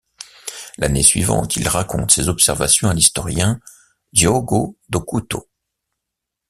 L'année suivante, il raconte ses observations à l'historien Diogo do Couto.